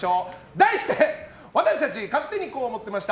題して私たち勝手にこう思ってました！